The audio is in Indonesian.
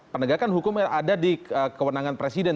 penegakan hukum yang ada di kewenangan presiden